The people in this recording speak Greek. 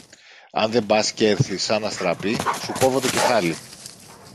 Αν δεν πας κι έρθεις σαν αστραπή, σου κόβω το κεφάλι!